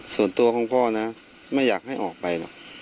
ส่วนตัวของผมนะไม่อยากให้ออกไป